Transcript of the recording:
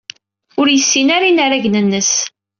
Ur yessin ara inaragen-nnes.